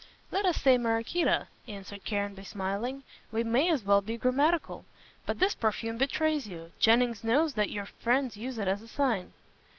"Let us say Maraquita," answered Caranby, smiling, "we may as well be grammatical. But this perfume betrays you. Jennings knows that your friends use it as a sign."